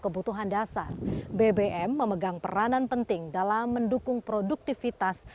pelajaran mes stores inilah yang menunjukan speed forward yang meningkatkan perusahaan